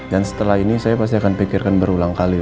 setelah ini saya pasti akan pikirkan berulang kali